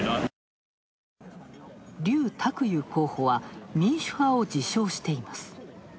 劉卓裕候補は民主派を自称しています。